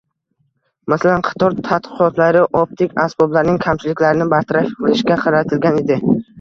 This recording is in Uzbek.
Masalan, qator tadqiqotlari optik asboblarning kamchiliklarini bartaraf qilishga qaratilgan edi